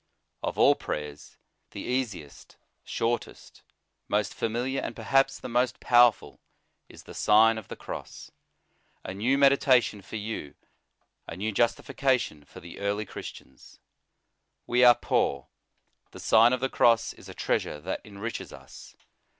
Of all prayers, the easiest, shortest, most familiar, and perhaps the most powerful, is the Sign of the Cross. A new meditation for you, a new justification for the early Christians. We are poor ; the Sign of the Cross is a treasure that enriches us.